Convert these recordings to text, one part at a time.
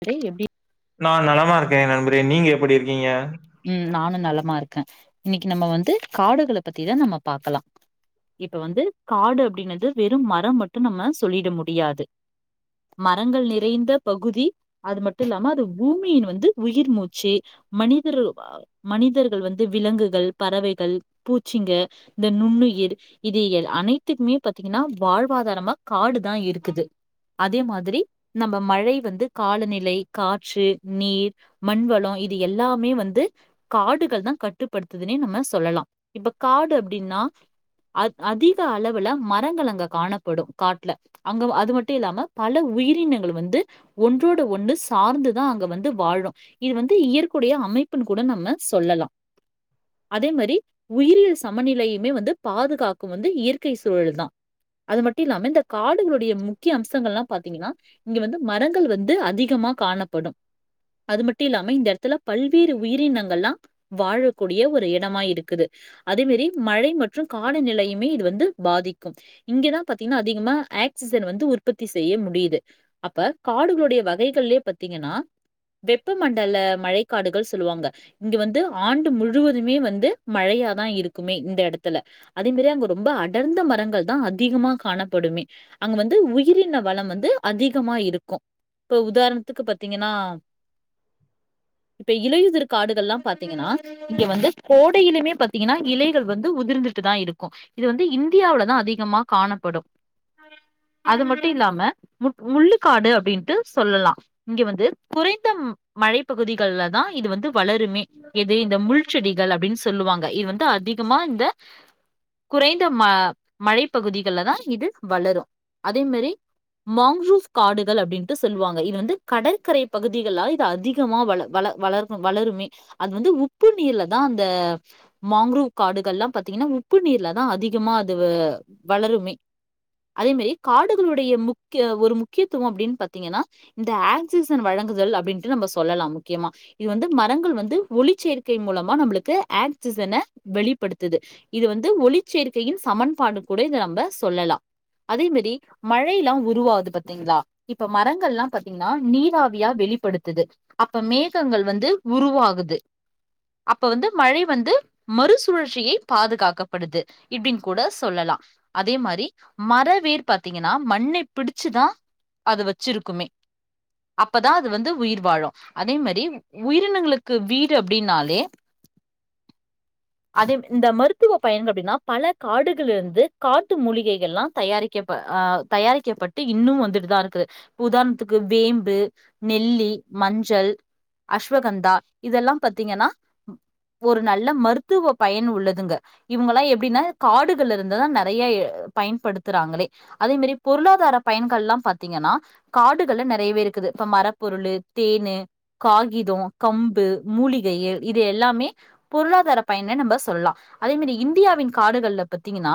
அடே எப்டி நா நலமா இருக்கே நண்பரே நீங்க எப்படி இருக்கீங்க? உம் நானு நலமா இருக்கே இன்னிக்கு நம்ம வந்து காடுகள பத்திதா நம்ம பாக்கலா இப்ப வந்து காடு அப்படினது வெறும் மரம் மட்டு நம்ம சொல்லிட முடியாது. மரங்கள் நிறைந்த பகுதி அது மட்டு இல்லாம அது பூமியின் வந்து உயிர் மூச்சு மனி தரு [unintelligible] மனிதர்கள் வந்து விலங்குகள், பறவைகள், பூச்சிங்க இந்த நுண்ணுயிர் இது அனைத்துக்மே பாத்தீங்கனா வாழ்வாதாரமா காடு தா இருக்குது. அதே மாதிரி நம்ம மழை வந்து காலநிலை, காற்று, நீர், மண்வளம் இது எல்லா மே வந்து காடுகள் தா கட்டுப்படுத்துதுனே நம்ம சொல்லலா இப்ப காடு அப்டின்னா அ அதிக அளவுல மரங்கள் அங்க காணப்படு காட்ல அங்க அது மட்டு இல்லாம பல உயிரினங்கள் வந்து ஒன்றோட ஒன்னு சார்ந்து தா அங்க வந்து வாழு இது வந்து இயற் கூடிய அமைப்புன் கூட நம்ம சொல்லலா அதே மாரி உயிரியல் சமநிலையுமே வந்து பாதுகாக்கு வந்து இயற்கை சூழல் தா அது மட்டு இல்லாம இந்த காடுகளுடைய முக்கிய அம்சங்கள்லா பாத்தீங்கன்னா இங்க வந்து மரங்கள் வந்து அதிகமா காணப்படும் அது மட்டு இல்லாம இந்த துல பல்வேறு உயிரினங்கள்லா வாழக்கூடிய ஒரு இடமா இருக்குது. அதே மாரி மழை மற்றும் காலநிலையுமே இது வந்து பாதிக்கும். இங்க தா பாத்தீங்கனா அதிகமா ஆக்சிஸன் வந்து உற்பத்தி செய்ய முடியிது. அப்ப காடுகளுடைய வகைகள்லே பாத்தீங்கனா வெப்பமண்டல மழைக்காடுகள் சொல்லுவாங்க இங்க வந்து ஆண்டு முழுவதுமே வந்து மழையா தா இருக்குமே இந்த எடத்துல அதே மாரி அங்க ரொம்ப அடர்ந்த மரங்கள் தா அதிகமா காணப்படுமே அங்க வந்து உயிரின வளம் வந்து அதிகமா இருக்கு இப்ப உதாரணத்துக்கு பாத்தீங்கனா இப்ப இலையுதிர் காடுகள்லா பாத்தீங்கனா இங்க வந்து கோடையிலுமே பாத்தீங்கனா இலைகள் வந்து உதிர்ந்துட்டு தா இருக்கு இது வந்து இந்தியாவுல தா அதிகமா காணப்படு. அது மட்டு இல்லாம மு முள்ளு காடு அப்டின்ட்டு சொல்லலா. இங்க வந்து குறைந்த மழை பகுதிகள்ல தா இது வந்து வளருமே எது இந்த முள் செடிகள் அப்டின் சொல்லுவாங்க. இது வந்து அதிகமா இந்த குறைந்த ம மழை பகுதிகள்ல தா இது வளரு. அதே மாரி மாங்குரூஃப் காடுகள் அப்டின்ட்டு சொல்வாங்க. இது வந்து கடற்கரை பகுதிகள்லா இது அதி கமா வள வள வளர்னு வளருமே அது வந்து உப்பு நீர்ல தா அந்த மாங்கரூ காடுகள்லா பாத்தீங்கனா உப்பு நீர்ல தா அதிகமா அது வளருமே அதே மாரி காடுகளுடைய முக்கிய ஒரு முக்கியத்துவோ அப்டின் பாத்தீங்கனா இந்த ஆக்சிஸன் வழங்குதல் அப்டின்ட்டு நம்ம சொல்லலா முக்கியமா இது வந்து மரங்கள் வந்து ஒளி சேர்க்கை மூலமா நம்மளுக்கு ஆக்சிஸன வெளிப்படுத்துது இது வந்து ஒளி சேர்க்கையின் சமன்பாடு கூட இத நம்ம சொல்லலா அதே மாரி மழைல்லா உருவாது பாத்தீங்களா இப்ப மரங்கள்லா பாத்தீங்கனா நீராவியா வெளிப்படுத்துது அப்ப மேகங்கள் வந்து உருவாகுது அப்ப வந்து மழை வந்து மறுசுழற்சியை பாதுகாக்கப்படுது இப்டின் கூட சொல்லலா அதே மாரி மர வேர் பாத்தீங்கனா மண்ணை பிடிச்சு தா அது வச்சிருக்குமே அப்பதா அது வந்து உயிர் வாழு அதே மாரி உயிரினங்களுக்கு வீடு அப்டின்னாலே அதே இந்த மருத்துவ பயன்கள் அப்டின்னா பல காடுகள் இருந்து காட்டு மூலிகைகள்லா தயாரிக்கப்ப ஆஹ் தயாரிக்கப்பட்டு இன்னு வந்துட்டு தா இருக்குது உதார்ணத்துக்கு வேம்பு, நெல்லி மஞ்சள், அஸ்வகந்தா இதெல்லா பாத்தீங்கனா ஒரு நல்ல மருத்துவ பயன் உள்ளதுங்க இவங்கல்லா எப்டின்னா காடுகள் இருந்து தா நெறைய அ பயன்படுத்துறாங்களே அதே மாரி பொருளாதார பயன்கள்லா பாத்தீங்கனா காடுகள்ல நெறையவே இருக்குது இப்ப மரப்பொருளு தேனு, காகிதோ, கம்பு மூலிகை எ இது எல்லாமே பொருளாதார பயன்னு நம்ம சொல்லா அதே மாரி இந்தியாவின் காடுகள்ல பத்தீங்கனா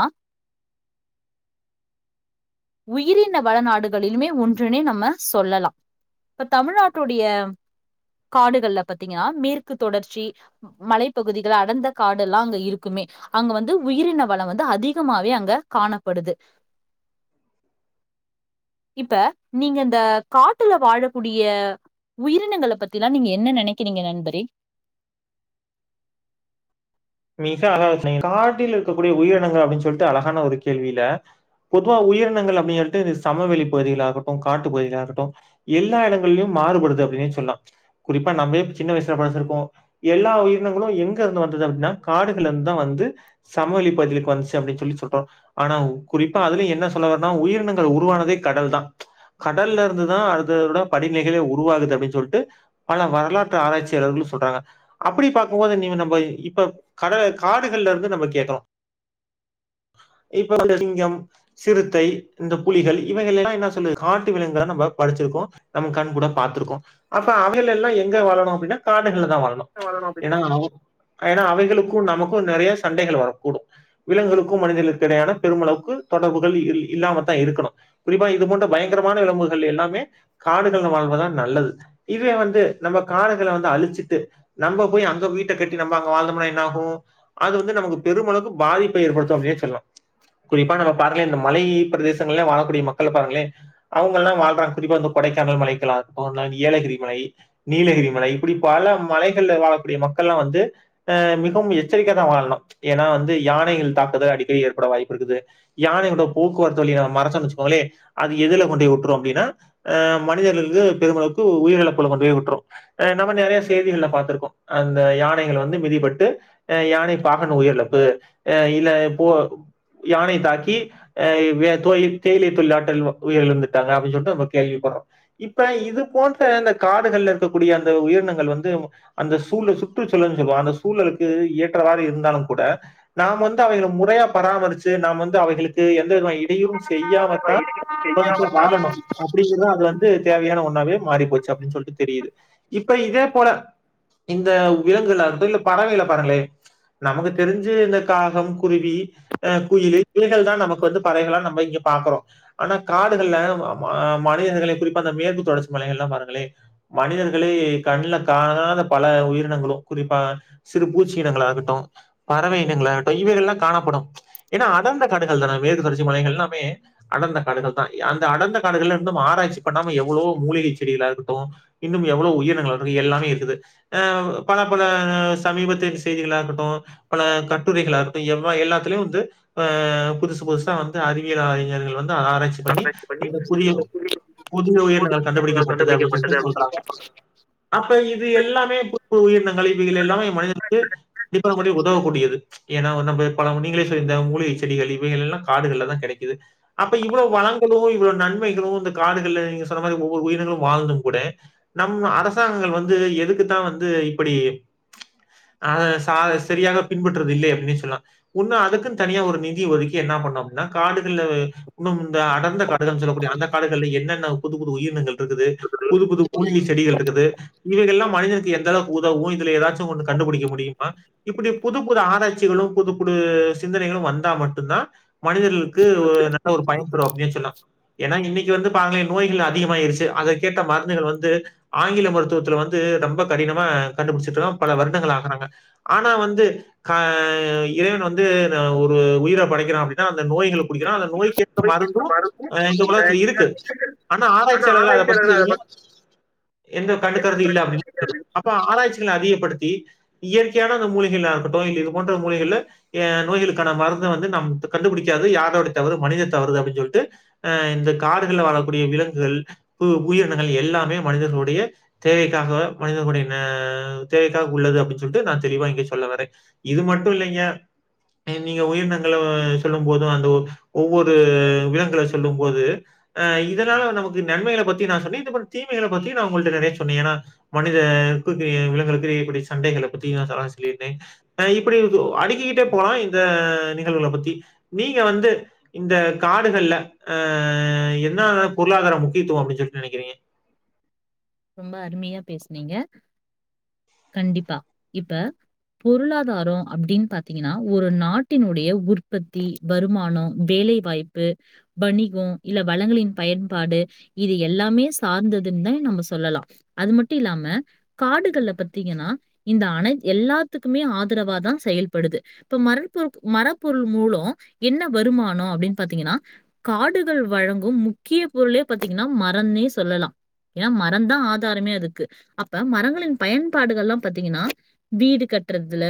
உயிரின வளநாடுகளிலுமே ஒன்றுனே நம்ம சொல்லலா இப்ப தமிழ்நாட் டுடைய காடுகள்ல பாத்தீங்கனா மேற்கு தொடர்ச்சி மலைப்பகுதிகள் அடந்த காடெல்லா அங்க இருக்குமே அங்க வந்து உயிரின வளோ வந்து அதிகமாவே அங்க காணப்படுது இப்ப நீங்க இந்த காட்டுல வாழக்கூடிய உயிரினங்கள பத்திலா நீங்க என்ன நெனக்கிறீங்க நண்பரே மிக அழகா சொன்னீங்க காட்டில் இருக்கக்கூடிய உயிரினங்கள் அப்டின்னு சொல்லிட்டு அழகான ஒரு கேள்வில, பொதுவா உயிரினங்கள் அப்டின்னு சொல்லிட்டு சமவெளி பகுதிகளாகட்டு காட்டு பகுதிகளாகட்டு எல்லா எடங்கள்லியு மாறுபடுது அப்டின்னே சொல்லலா குறிப்பா நம்ம சின்ன வயசுல படிச்சிருக்கோ எல்லா உயிரினங்களு எங்க இருந்து வந்தது அப்டின்னா காடுகள்ல இருந்துதா வந்து சமவெளிப்பகுதிகளுக்கு வந்துச்சு அப்டின்னு சொல்லி சொல்றோ ஆனா குறிப்பா அதுலயு என்ன சொல்ல வர்றனா உயிரினங்கள் உருவானதே கடல்தா கடல்ல இருந்துதா அதோட படிநிலைகளே உருவாகுது அப்டின்னு சொல்லிட்டு பல வரலாற்று ஆராய்சியாளர்களு சொல்றாங்க அப்டி பாக்கும்போது நீ நம்ம இப்ப கடல காடுகள்ல இருந்து நம்ப கேட்டோ இப்ப இந்த சிங்கம் சிறுத்தை இந்த புலிகள் இவைகள் எல்லா என்ன சொல்லது காட்டு விலங்குகளா நம்ப படிச்சிருக்கோ நம்ம கண்கூடா பாத்துருக்கோ அப்ப அவைகள் எல்லா எங்க வழணு அப்டின்னா கா ட்லதா வாழனு வளரும் அப்படின்னு ஏன்னா ஏனா அவைகளுக் க்கு நமக்கு நெறைய சண்டைகள் வரக்கூடு விலங்குக்கு மனிதர்களுக்கு இடையான பெருமளவுக்கு தொடர்புகள் இல்லாமதா இருக்குணு குறிப்பா இது போன்ற பயங்கரமான விலங்குகள் எல்லாமே காடுகள்ல வாழ்வதா நல்லது இதுவே வந்து நம்ப காடுகள வந்து அழிச்சிட்டு நம்ப போய் அங்க வீட்ட கட்டி நம்ம அங்க வாழ்ந்தோம்னா என்ன ஆகு அது வந்து நமக்கு பெருமளவுக்கு பாதிப்ப ஏற்படுத்து அப்டினே சொல்லலா குறிப்பா நம்ம பாருங்களே இந்த மலை பிரதேசங்கள்ல வாழக்கூடிய மக்கள பாருங்களே அவங்கல்லா வாழ்றாங்க குறிப்பா இந்த கொடைக்கானல் மலைகளா இருக்கட்டு ஏலகிரி மலை நீலகிரி மலை இப்படி பல மலைகள்ல வாழக்கூடிய மக்கள்லா வந்து அ மி கவும் எச்சரிக்கையாதா வாழணு ஏன்னா வந்து யானைகள் தாக்குதல் அடிக்கடி ஏற்பட வாய்ப்பு இருக்குது யானைகளோட போக்குவரத்து வழிய நம்ம மறச்சோனு வச்சுக்கோங்களே அது எதுல கொண்டிவுட்டுரு அப்டின்னா அ மனிதர்களுக்கு பெருமளவுக்கு உயிர்இழப்புல கொண்டு போய் வுட்டுரு அ நம்ம நெறைய செய்திகள்ல பாத்திருக்கோ அந்த யானைகள் வந்து மிதிப்பட்டு அ யானை பாகன் உயிரிழப்பு அ இல்ல போ யானை தாக்கி அ வே தோ தேயிலை தொழிலாற்றல் உயிரிழந்துட்டாங்க அப்டின்னு சொல்லிட்டு நம்ம கேள்விப்பட்றோ இப்ப இது போன்ற அந்த காடுகள்ல இருக்கக்கூடிய அந்த உயிரினங்கள் வந்து அந்த சூழல் சுற்றுச்சூழல்னு சொல்லுவோ அந்த சூழல்க் கு ஏற்றவாறு இருந்தாலு கூட நாம் வந்து அவங்க முறையா பராமரிச்சி நாம் வந்து அவைகளுக்கு எந் த விதமா இடையூறு செய்யாமத்தா சொல்லி மனுச வாழணு அப்டிங்கிறதா அது வந்து தேவையான ஒன்னாவே மாறிப்போச்சு அப்டின்னு சொல்லிட்டு தெரியுது இப்ப இதே போல இந்த விலங்குகளாகட்டு இல்ல பறவைகள பாருங்களே நமக்கு தெரிஞ்சி இந்த காகம் குருவி அ குயிலு இவைகள் தா நமக்கு வந்து பறவைகளா நம்ம இங்க பாக்குறோ ஆனா காடுகள்ல ம மனிதர்களே குறிப்பா அந்த மேற்கு தொடர்ச்சி மலைகள்ல்லா பாருங்களே மனிதர்களே கண்ணுல காணாத பல உயிரினங்களு குறிப்பா சிறு பூச்சி இனங்களாகட்டு பறவை இனங்களாககட்டு இவைகள் எல்லா காணப்படும் ஏன்னா அடர்ந்த காடுகள் தான மேற்கு தொடர்ச்சி மலைகள் எல்லாமே அடர்ந்த காடுகள்தா அந்த அடர்ந்த காடுகள்ல இருந்தும் ஆராய்ச்சி பண்ணாம எவ்ளோ மூலிகை செடிகளாகட்டு இன்னு எவ்ளோ உயிரினங்களாகட்டு எல்லாமே இருக்குது அ பல பல சமீபத்திய செய்திகளா இருக்கட்டு பல கட்டுரைகளாகட்டு எவ்வ எல்லாத்துலேயு வந்து அ புதுசு புதுசா சா வந்து அறிவியல் அறிஞர்கள் வந்து ஆராய்ச்சி பண்ணி இந்த புதிய புதிய உயிரினங்கள் கண்டுபிடிக்கப்பட்டது அப்டினு சொல்லி சொல்றாங்க அப்ப இது எல்லாமே புது புது உயிரினங்கள் இவைகள் எல்லாமே மனிதர்களுக்கு கண்டிப்பா உதவக்கூடியது ஏன்னா நம்ம பல நீங்களே சொல்லி இந்த மூலிகை செடிகள் இவைகள் எல்லா காடுகள்லதா கெடைக்குது அப்ப இவ்ளோ வளங்களு இவ்ளோ நன்மைகளு இந்த காடுகள்ல நீங்க சொன்ன மாதிரி ஒவ்வொரு உயிரங்களு வாழ்ந்தும் கூட நம்ம அரசாங்கங்கள் வந்து எதுக்குத்தா வந்து இப்டி அ ச சரியாக பின்பற்றுவது இல்லை அப்டின்னு சொல்லலா ஒன்னு அதுக்குனு தனியா ஒரு நிதி ஒதுக்கி என்ன பண்ணு அப்டின்னா காடுகள்ல இன்னும் இந்த அடர்ந்த காடுகள் சொல்லக்கூடிய அந்த காடுகள்ல என்னென்ன புது புது உயிரினங்கள் இருக்குது புது புது மூலிகை செடி செடிகள் இருக்குது இவைகள் எல்லா மனிதனுக்கு எந்தளவுக்கு உதவு இதுல ஏதாச்சு ஒன்னு கண்டுபிடிக்க முடியுமா இப்டி புது புது ஆராய்ச்சிகளு புது புது சிந்தனைகளும வந்தா மட்டுந்தா மனிதர்களுக்கு நல்ல ஒரு பயன்தரு அப்டின்னு சொல்லலா ஏன்னா இன்னைக் கி வந்து பாருங்களே நோய்கள் அதிகமாயிருச்சி அதற்கேத்த மருந்துகள் வந்து ஆங்கில மருத்துவத்துல வந்து ரொம்ப கடினமா கண்டுபிடிச்சிட்டு இருக்கா பல வருடங்கள் ஆக்குறாங்க ஆனா வந்து க இறைவன் வந்து ஒரு உயிர படைக்கிறா அப்டின்னா அந்த நோய்கள குடுக்கிறா அந்த நோய்க்கு ஏத்த மருந்தும் மறுப்பும் அ இந்த உலகத்துல இருக்கு ஆனா ஆராய்ச்சியாளர்கள் அத பத்தி எதுமே எந்த என்ன கண்டுக்றது இல்லா அப்டினு பிரச்சனை அப்படின்னு அப்ப ஆராய்ச்சிகள அதிகப்படுத்தி தி இயற்கையான அந்த மூலிகள்லா இருக்கட்டு இல்ல இது போன்ற மூலிகள்ல அ நோய்களுக்கான மருந்த வந்து நம் கண்டுபிடிக்காது யாரோட தவறு மனித தவறுதா அப்டின்னு சொல்லிட்டு அ இந்த காடுகள்ல வாழக்கூடிய விலங்குகள் உயிரினங்கள் எல்லாமே மனிதர்களுடைய தேவைக்காக மனிதர்களுடைய ந தேவை க்காக உள்ளது அப்டின்னு சொல்லிட்டு நா தெளிவா இங்க சொல்ல வரே இது மட்டு இல்லைங்க நீங்க உயினங்கள்ல சொல்லும்போதும் அந்த ஒவ்வொரு விலங்குகள சொல்லும்போது அ இதனால நமக்கு நன்மைகள பத்தி நா சொன்னே இனிமே தீமைகள பத்தி நா உங்கள்ட்ட நெறைய சொன்னே ஏனா மனிதர்களுக்கு விலங்குக்கு இப்டி சண்டைகள பத்தி நா சொல்லியிருந்தே அ இப்டி அடுக்கிக்கிட்டே போலா இந்த நிகழ்வுல பத்தி நீங்க வந்து இந்த காடுகள்ல அ என்ன பொருளாதார முக்கியத்துவம் அப்டின்னு சொல்லி நெனைக்கிறீங்க ரொம்ப அருமையா பேஸ்னீங்க கண்டிப்பா இப்ப பொருளாதாரம் அப்படின்னு பாத்தீங்கன்னா ஒரு நாட்டினுடைய உற்பத்தி வருமானம் வேலை வாய்ப்பு வணிகம் இல்ல வளங்களின் பயன்பாடு இது எல்லாமே சார்ந்ததுன் தா நம்ம சொல்லலா அது மட்டு இல்லாம காடுகள்ல பத்தீங்கன்னா இந்த அன எல்லாத்துக்குமே ஆதரவாாதா செயல்படுது இப்ப மர பொ மரப்பொருள் மூலோ என்ன வருமானம் அப்டின் பாத்தீங்கன்னா காடுகள் வழங்கும் முக்கிய பொருளே பாத்தீங்கன்னா மரம்னே சொல்லலா ஏனா ம ரந்தா ஆதாரமே அதுக்கு அப்ப மரங்களின் பயன்பாடுகள்லா பாத்தீங்கன்னா வீடு கட்றதுல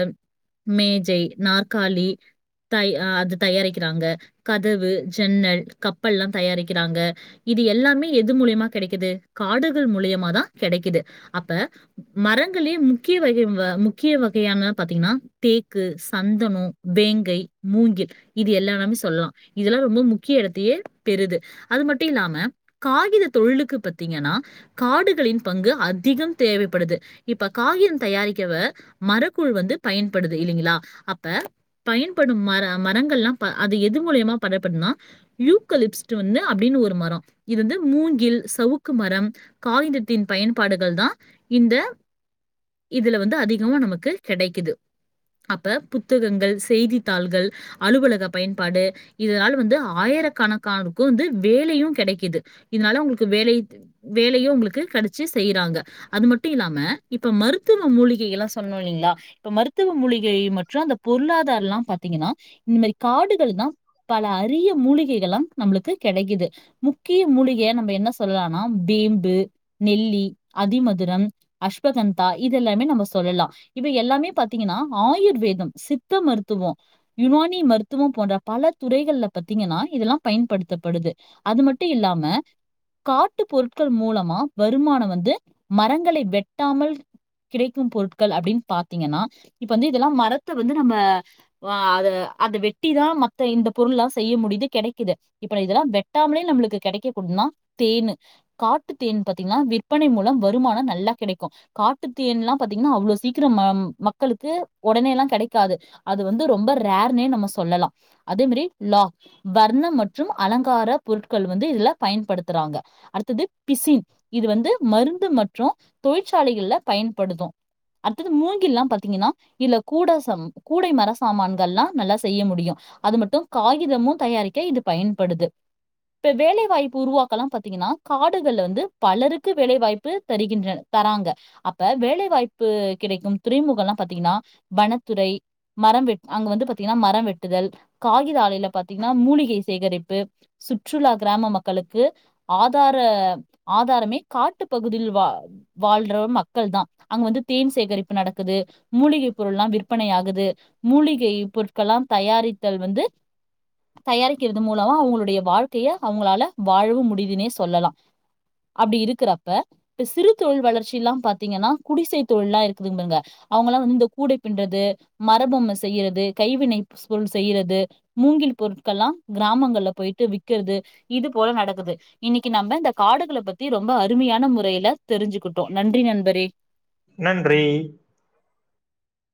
மேஜை நாற்காலி த அது தயாரிக்கிறாங்க கதவு ஜன்னல் கப்பல்லா தயாரிக்கிறாங்க இது எல்லாமே எது மூலியமா கெடைக்குது காடு கள் மூலியமாதா கெடைக்குது அப்ப மரங்களே முக்கிய வகை முக்கிய வகையான பாத்தீங்கன்னா தேக்கு சந்தனம் வேங்கை மூங்கில் இது எல்லாலாமே சொல்லலா இதெல்லா ரொம்ப முக்கிய எடத்தையே பெறுது அது மட்டும் இல்லாம காகித தொழிலுக்கு பத்தீங்கன்னா காடுகளின் பங்கு அதிகம் தேவைப்படுது இப்ப காகியம் தயாரிக்கவ மரக்கூழ் வந்து பயன்படுது இல்லைங்களா அப்ப பயன்படும் மர மரங்கள்லா அது எது மூலியமா பதப்படுனா யூக்கலிப்ஸ்ட் வந்து அப்டின்னு ஒரு மரம் இது வந்து மூங்கில் சவுக்கு மரம் காகிதத்தின் பயன்பாடுகள் தா இந்த இதுல வந்து அதிகமா நமக்கு கெடைக்குது அப்ப புத்தகங்கள் செய்தித்தாள்கள் அலுவலக பயன்பாடு இதனால வந்து ஆயிரக்கணக்கானக்கு வந்து வேலையு கெடைக்குது இதனால அவங்களுக்கு வேலை வேலையு அவங்களுக்கு கெடச்சு செய்றாங்க அது மட்டு இல்லாம இப்ப மருத்துவ மூலிகை எல்லா சொல்னு இல்லைங்களா இப்ப மருத்துவ மூலிகை மற்றும் அந்த பொருளாதாரல்லா பாத்தீங்கன்னா இந்த மாரி காடுகள் தா பல அரிய மூலிகைகளாம் நம்மளுக்கு கெடைக்குது முக்கிய மூலிகையா நம்ம என்ன சொல்லலானா வேம்பு நெல்லி அதிமதுரம் அஸ்வகந்தா இது எல்லாமே நம்ம சொல்லலா இவை எல்லாமே பாத்தீங்கன்னா ஆயுர்வேதம் சித்த மருத்துவம் யுனானி மருத்துவம் போன்ற பல துறைகள்ல பாத்தீங்கன்னா இதெல்லா பயன்படுத்தப்படுது அது மட்டு இல்லாம காட்டு பொரு ட்கள் மூலமா வருமானம் வந்து மரங்களை வெட்டாமல் கிடைக்கும் பொருட்கள் அப்படின்னு பாத்தீங்கன்னா இப்ப வந்து இதெல்லா மரத்த வந்து நம்ம ஆ அத அத வெட்டிதா மத்த இந்த பொருள்ளா செய்ய முடியுது கெடைக்குது இப்ப இதெல்லா வெட்டாமலே நம்ளுக்கு கெடைக்க கூடுனா தேனு காட்டு தேன் பாத்தீங்கன்னா விற்பனை மூலம் வருமானம் நல்லா கிடைக்கு காட்டு தேன்லாம் பாத்தீங்கன்னா அவ்வளோ சீக்கிரம் ம மக்களுக்கு உடனே எல்லா கெடைக்காது அது வந்து ரொம்ப ரேர்னே நம்ம சொல்லலாம் அதே மாரி லா வர்ணம் மற்றும் அலங்கார பொருட்கள் வந்து இதுல பயன்படுத்துறாங்க அடுத்தது பிசின் இது வந்து மருந்து மற்றும் தொழிற்சாலைகள்ல பயன்படுது அடுத்தது மூங்கில்லாம் பாத்தீங்கன்னா இல்ல கூட சம் கூடை மர சமான்கள்லா நல்லா செய்ய முடியும் அது மட்டும் காகிதமு தயாரிக்க இது பயன்படுது இப்ப வேலைவாய்ப்பு உருவாக்கலா பாத்தீங்கன்னா காடுகள்ல வந்து பலருக்கு வேலைவாய்ப்பு தருகின்ற தராங்க அப்ப வேலைவாய்ப்பு கிடைக்கும் துறைமுகல்லாம் பாத்தீங்கன்னா வனத்துறை மரம் வெ அங்க வந்து பாத்தீங்கன்னா மரம் வெட்டுதல் காகித ஆலையில பாத்தீங்கன்னா மூலிகை சேகரிப்பு சுற்றுலா கிராம மக்களுக்கு ஆ தார ஆதாரமே காட்டு பகுதியில் வா வாழ்ற மக்கள்தா அங்க வந்து தேன் சேகரிப்பு நடக்குது மூலிகை பொருள்லா விற்பனையாகுது மூலிகை பொருட்கள்லா தயாரித்தல் வந்து தயாரிக்கிறது மூலமா அவங்களுடைய வாழ்க்கைய அவங்களால வாழவு முடியுதுனே சொல்லலா அப்படி இருக்கிறப்ப இப்ப சிறு தொழில் வளர்ச்சி எல்லா பாத்தீங்கன்னா குடிசை தொழில்லா இருக்குதுங்க அவங்கல்லா வந்து இந்த கூடை பின்றது மரபொம்மை செய்யறது கைவினை பொருள் செய்யறது மூங்கில் பொருட்கள்லா கிராமங்கள்ல போயிட்டு விக்கிறது இது போல நடக்குது இன்னைக்கு நம்ம இந்த காடுகளை பத்தி ரொம்ப அருமையான முறையில தெரிஞ்சுக்கிட்டோம் நன்றி நண்பரே நன்றி